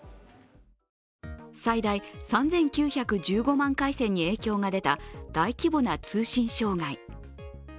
最大３９１５万回線で影響が出た大規模な通信障害。